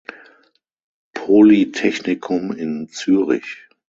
Polytechnikum in Zürich.